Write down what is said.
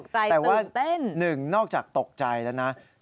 แต่ว่า๑นอกจากตกใจแล้วนะ